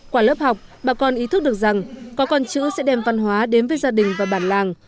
qua lớp học bà con ý thức được rằng có con chữ sẽ đem văn hóa đến với gia đình và bản làng